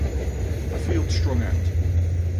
The field strung out.